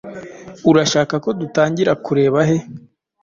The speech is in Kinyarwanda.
Urashaka ko dutangira kureba he?